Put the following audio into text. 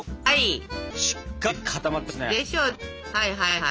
はい！